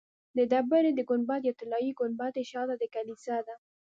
د ډبرې د ګنبد یا طلایي ګنبدې شاته د کلیسا ده.